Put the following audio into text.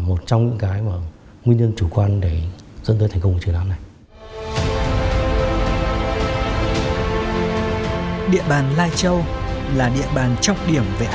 một trong những cái mà